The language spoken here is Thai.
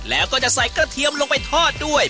แล้วก็จะใส่กระเทียมลงไปทอดด้วย